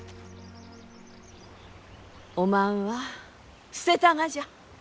おまんは捨てたがじゃ。